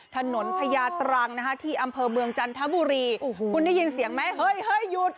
พญาตรังนะคะที่อำเภอเมืองจันทบุรีโอ้โหคุณได้ยินเสียงไหมเฮ้ยเฮ้ยหยุด